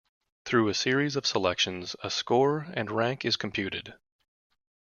Through a series of selections, a score and rank is computed.